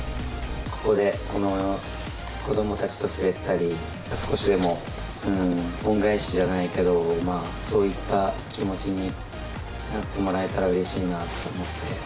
ここでこの子どもたちと滑ったり、少しでも、恩返しじゃないけど、そういった気持ちになってもらえたらうれしいなと思って。